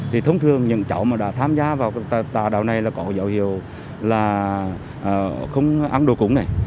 thông thường những cháu đã tham gia vào tà đạo này là có dạo hiệu là không ăn đồ cúng